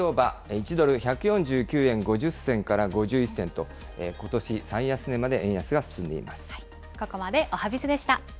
１ドル１４９円５０銭から５１銭と、ことし最安値まで円安が進んでいます。